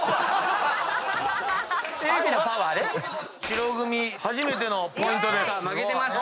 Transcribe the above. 白組初めてのポイントです。